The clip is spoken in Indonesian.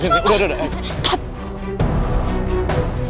udah udah udah